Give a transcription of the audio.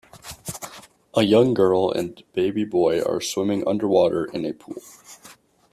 A young girl and baby boy are swimming underwater in a pool